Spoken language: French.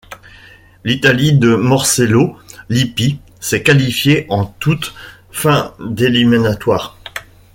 L'Italie de Marcello Lippi s'est qualifiée en toute fin d'éliminatoires.